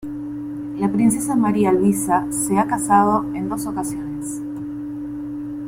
La princesa María Luisa se ha casado en dos ocasiones.